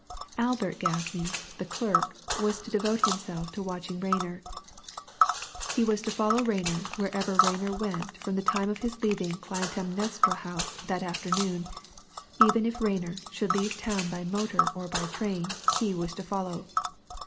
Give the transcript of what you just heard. Albert Gaffney, the clerk, was to devote himself to watching Rayner. He was to follow Rayner wherever Rayner went from the time of his leaving Clytemnestra House that afternoon even if Rayner should leave town by motor or by train he was to follow.